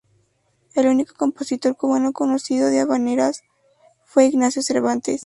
El único compositor cubano conocido de habaneras fue Ignacio Cervantes.